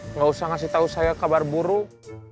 nggak usah ngasih tahu saya kabar buruk